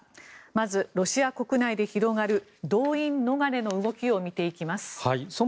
まず、ロシア国内で広がる動員逃れの動きを見ていきます。